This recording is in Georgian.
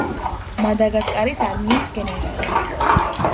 მადაგასკარის არმიის გენერალი.